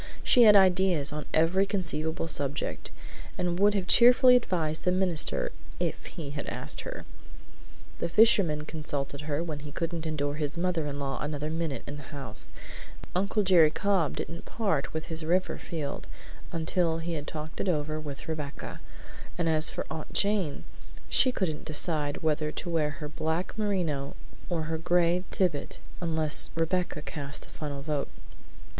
She had ideas on every conceivable subject, and would have cheerfully advised the minister if he had asked her. The fishman consulted her when he couldn't endure his mother in law another minute in the house; Uncle Jerry Cobb didn't part with his river field until he had talked it over with Rebecca; and as for Aunt Jane, she couldn't decide whether to wear her black merino or her gray thibet unless Rebecca cast the final vote.